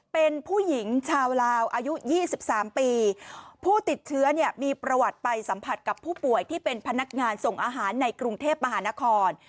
เป็นผู้หญิงชาวลาวอายุ๒๓ปีผู้ติดเชื้อเนี่ยมีประวัติไปสัมผัสกับผู้ป่วยที่เป็นพนักงานส่งอาหารในกรุงเทพมหานคร